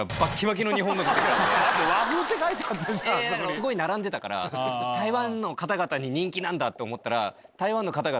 すごい並んでたから台湾の方々に人気なんだって思ったら。